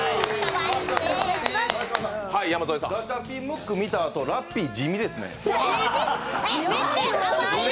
ガチャピン、ムック見たあとラッピー、地味ですね。